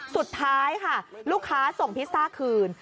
สุดท้ายค่ะลูกค้าส่งพิซซ่าคืน